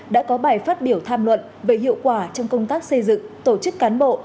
đã có bài phát biểu tham luận về hiệu quả trong công tác xây dựng tổ chức cán bộ